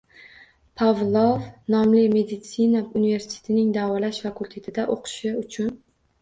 Pavlov nomli meditsina universitetining davolash fakul’tetida o‘qishi uchun